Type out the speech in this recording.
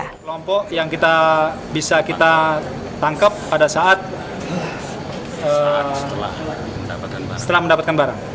kelompok yang bisa kita tangkap pada saat setelah mendapatkan barang